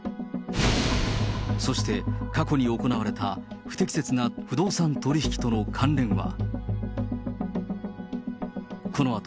そして、過去に行われた不適切な不動産取り引きとの関連は。